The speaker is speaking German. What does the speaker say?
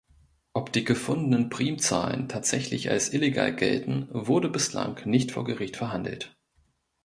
Ob die gefundenen Primzahlen tatsächlich als illegal gelten, wurde bislang nicht vor Gericht verhandelt.